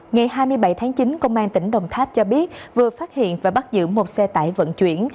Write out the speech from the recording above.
ngày hai mươi bảy tháng chín công an tỉnh đồng tháp cho biết vừa phát hiện và bắt giữ một xe tải vận chuyển